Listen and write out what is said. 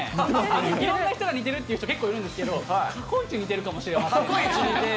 いろんな人が似てるっていう人、結構いるんですけど、過去一似て過去一似ている？